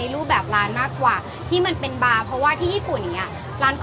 อรุดอขายราเมนครับ